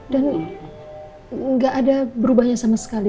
dan gak ada berubahnya sama sekali